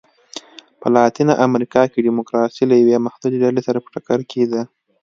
په لاتینه امریکا کې ډیموکراسي له یوې محدودې ډلې سره په ټکر کې ده.